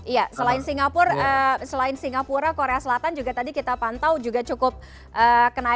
iya selain singapura korea selatan juga tadi kita pantau juga cukup kenaikan juga